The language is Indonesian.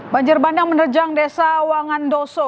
banjir bandang menerjang desa wangan doso